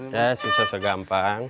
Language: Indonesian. ya susah susah gampang